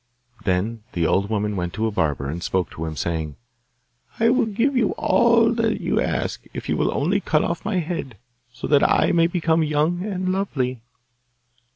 Then the old woman went to a barber, and spoke to him, saying, 'I will give you all you ask if you will only cut off my head, so that I may become young and lovely.